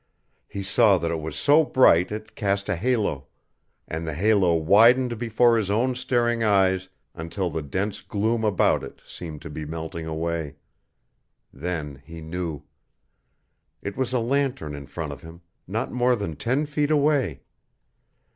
He saw that it was so bright it cast a halo, and the halo widened before his own staring eyes until the dense gloom about it seemed to be melting away. Then he knew. It was a lantern in front of him, not more than ten feet away.